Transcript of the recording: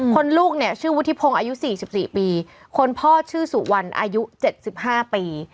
ลูกเนี่ยชื่อวุฒิพงศ์อายุ๔๔ปีคนพ่อชื่อสุวรรณอายุ๗๕ปี